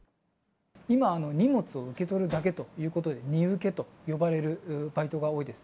今、荷物を受け取るだけということで、荷受けという呼ばれるバイトが多いです。